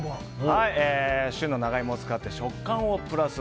旬の長イモを使って食感をプラス。